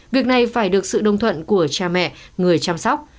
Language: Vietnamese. việc này phải được sự đồng thuận của cha mẹ người chăm sóc